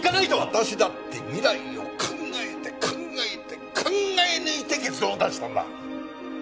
私だって未来を考えて考えて考え抜いて結論を出したんだ！